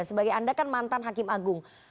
sebagai anda kan mantan hakim agung